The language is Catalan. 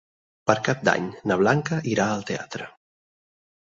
Per Cap d'Any na Blanca irà al teatre.